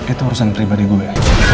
itu urusan pribadi gue